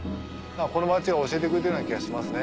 この街が教えてくれたような気がしますね。